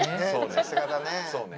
さすがだね。